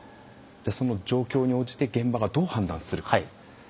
その状況に応じて現場がどう判断するか。